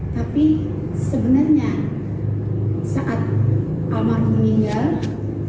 tapi sebenarnya saat almarhum meninggal